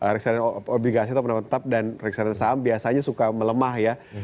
reksadana obligasi atau pendapatan tetap dan reksadana saham biasanya suka melemah ya